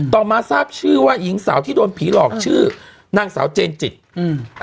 ต่อมาทราบชื่อว่าหญิงสาวที่โดนผีหลอกชื่อนางสาวเจนจิตอืม